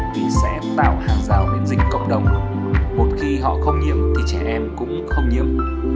vì sẽ tạo hàng rào miễn dịch cộng đồng một khi họ không nhiễm thì trẻ em cũng không nhiễm